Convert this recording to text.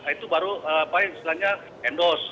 itu baru apa yang istilahnya endorse